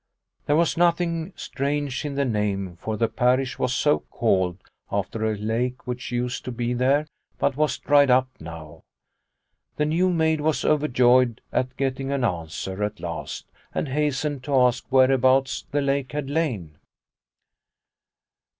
There was nothing strange in the name, for the parish was so called after a lake which used to be there but was dried up now. The new maid was overjoyed at getting an answer at last, and hastened to ask where abouts the lake had lain.